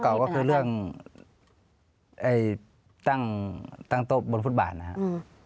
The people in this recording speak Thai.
เก่าก็คือเรื่องตั้งโต๊ะบนฟุตบาทนะครับ